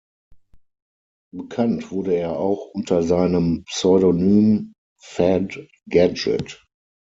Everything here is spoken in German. Bekannt wurde er auch unter seinem Pseudonym Fad Gadget.